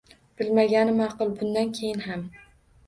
Bilmagani ma’qul bundan keyin ham.